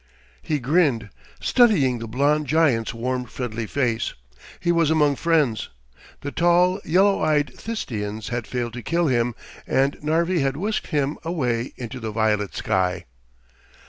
He grinned, studying the blond giant's warm, friendly face. He was among friends; the tall, yellow eyed Thistians had failed to kill him and Narvi had whisked him away into the violet sky.